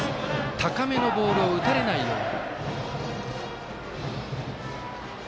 高めのボールを打たれないように。